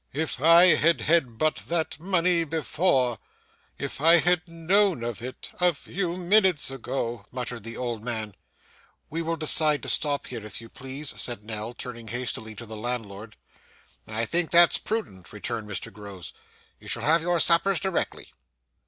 'If I had had but that money before If I had only known of it a few minutes ago!' muttered the old man. 'We will decide to stop here if you please,' said Nell, turning hastily to the landlord. 'I think that's prudent,' returned Mr Groves. 'You shall have your suppers directly.